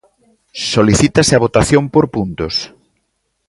¿Solicítase a votación por puntos?